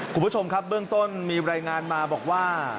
คุณผู้ชมครับเบื้องต้นมีรายงานมาบอกว่า